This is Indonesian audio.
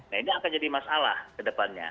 nah ini akan jadi masalah ke depannya